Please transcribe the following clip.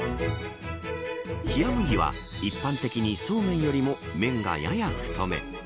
冷麦は一般的にそうめんよりも麺がやや太め。